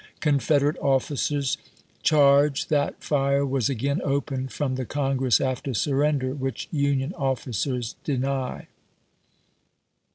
Confed erate officers charge that fire was again opened from the Congress after surrender, which Union officers deny.